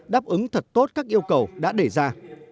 đáp ứng thật tốt các yêu cầu đã đề ra